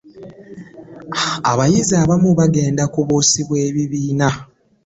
Abayizi abamu bagenda kubuusibwa ebibiina.